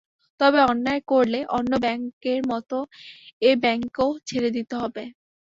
তবে অন্যায় করলে অন্য ব্যাংকের মতো এ ব্যাংকও ছেড়ে দিতে হবে।